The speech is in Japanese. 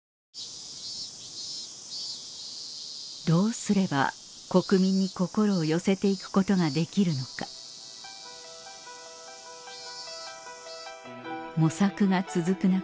どうすれば国民に心を寄せて行くことができるのか模索が続く